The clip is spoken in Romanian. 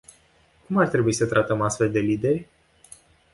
Cum ar trebui să tratăm astfel de lideri?